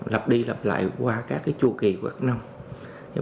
lặp đi lặp lại qua các cái chua kỳ của các năm